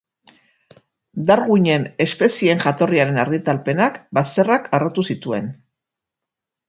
Darwinen Espezieen jatorria-ren argitalpenak bazterrak harrotu zituen